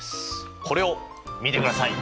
これを見てください！